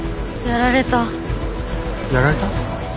やられた？